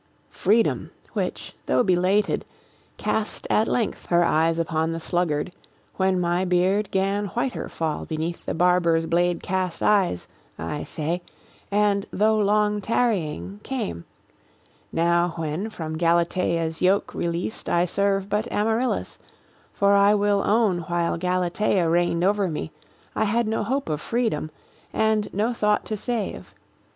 TITYRUS Freedom, which, though belated, cast at length Her eyes upon the sluggard, when my beard 'Gan whiter fall beneath the barber's blade Cast eyes, I say, and, though long tarrying, came, Now when, from Galatea's yoke released, I serve but Amaryllis: for I will own, While Galatea reigned over me, I had No hope of freedom, and no thought to save.